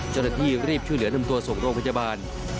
เจ้าหน้าที่รีบช่วยเหลือนำตัวส่งโรงพยาบาล